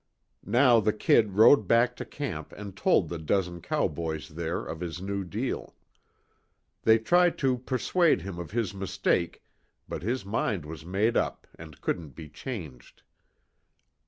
Now the "Kid" rode back to camp and told the dozen cowboys there of his new deal. They tried to persuade him of his mistake, but his mind was made up and couldn't be changed.